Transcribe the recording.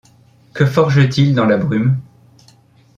Que forge-t-il dans la brume